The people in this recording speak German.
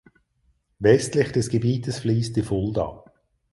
Westlich des Gebietes fließt die Fulda.